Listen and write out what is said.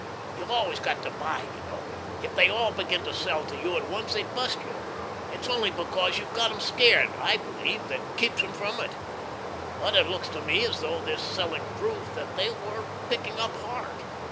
You've always got to buy, you know. If they all began to sell to you at once they'd bust you. It's only because you've got 'em so scared I believe that keeps 'em from it. But it looks to me as though this selling proved that they were picking up heart.